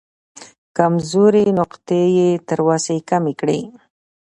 کمزورې نقطې یې تر وسې کمې کړې.